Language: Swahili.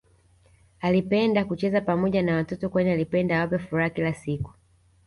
Alipenda kucheza Pamoja na watoto kwani alipenda awape furaha kila siku